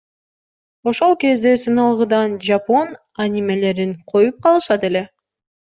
Ошол кезде сыналгыдан жапон анимелерин коюп калышат эле.